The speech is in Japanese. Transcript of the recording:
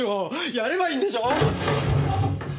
やればいいんでしょ！